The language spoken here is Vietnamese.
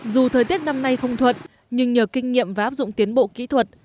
dù thời tiết năm nay không thuận nhưng nhờ kinh nghiệm và áp dụng tiến bộ kỹ thuật